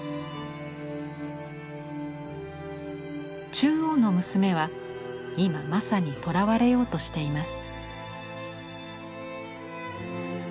中央の娘は今まさに捕らわれようとしています。